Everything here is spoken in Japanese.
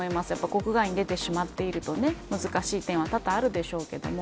国外に出てしまっていると難しい点は多々あるでしょうけれども。